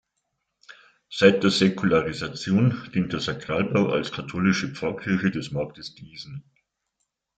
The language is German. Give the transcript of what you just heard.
Seit der Säkularisation dient der Sakralbau als katholische Pfarrkirche des Marktes Dießen.